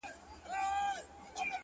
• هسې سترگي پـټـي دي ويــــده نــه ده؛